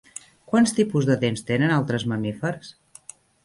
Quants tipus de dents tenen altres mamífers?